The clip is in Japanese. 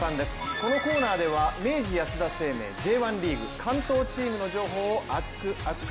このコーナーでは明治安田生命Ｊ１リーグ関東チームの情報を熱く！